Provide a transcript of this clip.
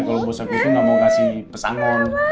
kalo bos aku itu gak mau kasih pesangon